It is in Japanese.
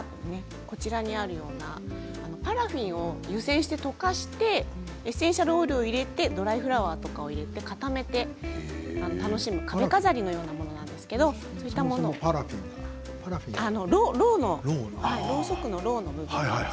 こちらにあるようなパラフィンを湯煎して溶かしてエッセンシャルオイルを入れてドライフラワーとかを入れて固めて楽しむ壁飾りのようなものなんですけどパラフィンはろうそくのろうの部分です。